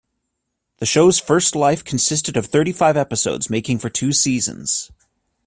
The show's first life consisted of thirty-five episodes, making for two seasons.